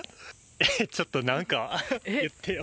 えっちょっと何か言ってよ。